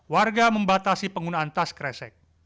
warga membatasi penggunaan tas kresek